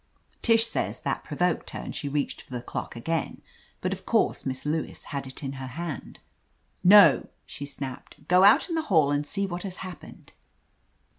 Tish says that provoked her and she reached for the clock again, but of course Miss Lewis had it in her hand. "No," she snapped. ''Go out in the hall and see what has happened."